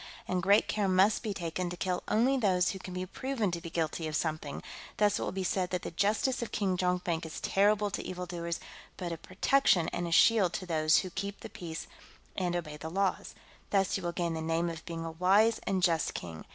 And great care must be taken to kill only those who can be proven to be guilty of something; thus it will be said that the justice of King Jonkvank is terrible to evildoers but a protection and a shield to those who keep the peace and obey the laws. Thus you will gain the name of being a wise and just king.